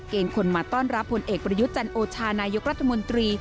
คนมาต้อนรับผลเอกประยุทธ์จันโอชานายกรัฐมนตรี